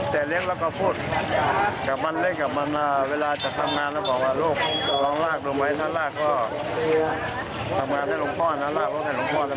ทำงานตั้งแต่เลี้ยงแล้วก็พูด